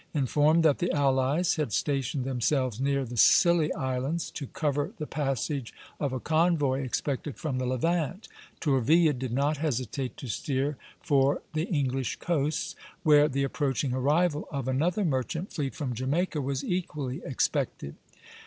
Informed that the allies had stationed themselves near the Scilly Islands to cover the passage of a convoy expected from the Levant, Tourville did not hesitate to steer for the English coasts, where the approaching arrival of another merchant fleet from Jamaica was equally expected.